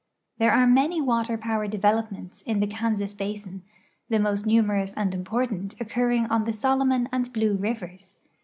There are many water power develo))inents in the Kansas basin, the most numerous and important occurring on the Solo mon and Blue rivers.